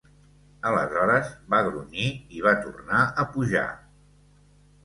Aleshores, va grunyir i va tornar a pujar.